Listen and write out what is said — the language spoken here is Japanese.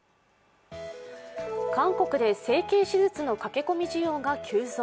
韓国で整形手術の駆け込み需要が急増。